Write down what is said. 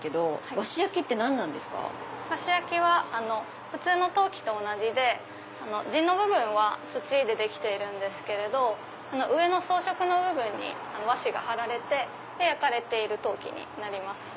和紙焼は普通の陶器と同じで地の部分は土でできているんですけど上の装飾の部分に和紙が張られて焼かれている陶器になります。